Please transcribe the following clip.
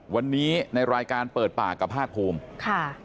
วันนี้ในรายการเปิดปากกับภาคภูมิค่ะ